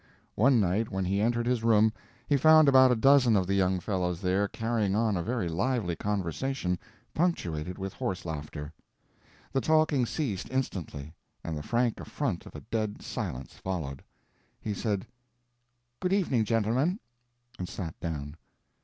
One night when he entered his room he found about a dozen of the young fellows there carrying on a very lively conversation punctuated with horse laughter. The talking ceased instantly, and the frank affront of a dead silence followed. He said, "Good evening gentlemen," and sat down.